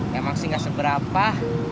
ya maksih gak seberapa